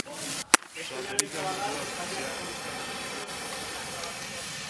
Satelitean ura aurkitzea izan da misioaren helburua.